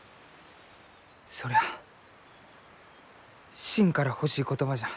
そりゃあしんから欲しい言葉じゃ。